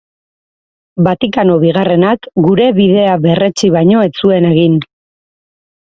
Vatikano Bigarrenak gure bidea berretsi baino ez zuen egin.